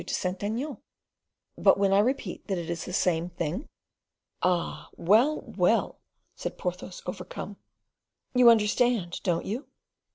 de Saint Aignan." "But when I repeat that it is the same thing?" "Ah, well, well!" said Porthos, overcome. "You understand, don't you?"